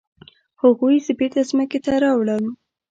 هغوی زه بیرته ځمکې ته راوړم.